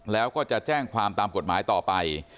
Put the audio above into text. แล้วก็จะแจ้งความตามกฎหมายต่อไป